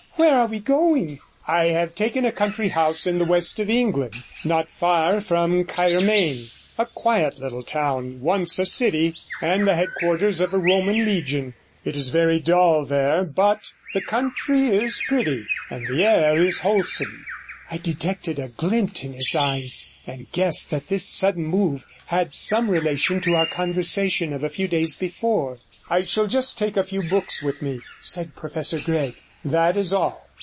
'Where are we going?' 'I have taken a country house in the west of England, not far from Caermaen, a quiet little town, once a city, and the headquarters of a Roman legion. It is very dull there, but the country is pretty, and the air is wholesome.' I detected a glint in his eyes, and guessed that this sudden move had some relation to our conversation of a few days before. 51 'I shall just take a few books with me,' said Professor Gregg, 'that is all.